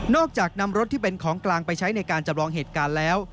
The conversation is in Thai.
จากนำรถที่เป็นของกลางไปใช้ในการจำลองเหตุการณ์แล้ว